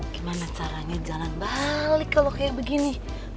gimana caranya jalan balik kalau kayak begini